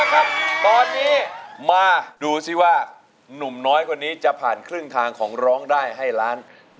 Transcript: ตอนนี้มาดูสิว่าหนุ่มน้อยคนนี้จะผ่านครึ่งทางของร้องได้ให้ล้าน